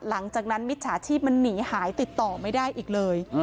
หลังจากนั้นมิจฉาชีพมันหนีหายติดต่อไม่ได้อีกเลย